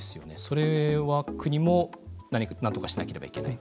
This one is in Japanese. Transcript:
それは国もなんとかしなければいけない？